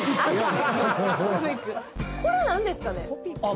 これなんですかね？